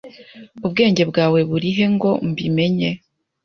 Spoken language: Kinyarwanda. Ubwenge bwawe burihe ngo mbimenye?